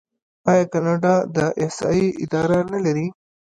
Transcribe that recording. آیا کاناډا د احصایې اداره نلري؟